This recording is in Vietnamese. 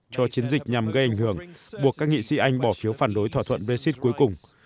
cho chiến dịch nhằm gây ảnh hưởng buộc các nghị sĩ anh bỏ phiếu phản đối thỏa thuận brexit cuối cùng